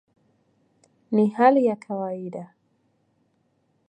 Ni hali ya kawaida".